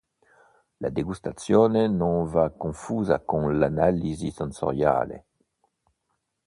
La degustazione non va confusa con l'analisi sensoriale.